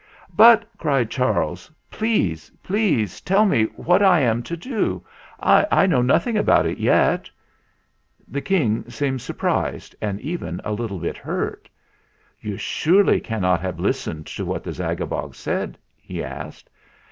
"But," cried Charles, "please, please tell me what I am to do. I know nothing about it yet!" The King seemed surprised and even a lit tle bit hurt. "You surely cannot have listened to what the Zagabog said?" he asked.